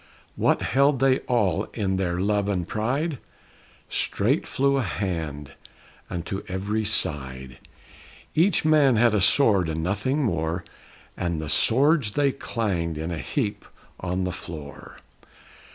What held they all in their love and pride? Straight flew a hand unto every side; Each man had a sword and nothing more, And the swords they clanged in a heap on the floor.